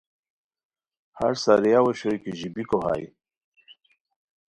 ہݰ سارییاؤ اوشوئے کی ژیبیکو ہائے